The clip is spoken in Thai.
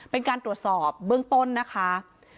เป็นการตรวจสอบเบื้องต้นนะคะ